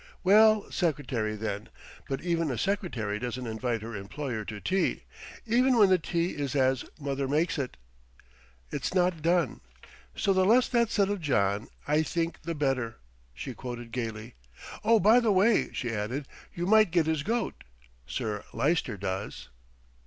"Well, secretary, then; but even a secretary doesn't invite her employer to tea, even when the tea is as mother makes it. It's not done, so the less that's said of John, I think, the better," she quoted gaily. "Oh! by the way," she added, "you might get his goat; Sir Lyster does."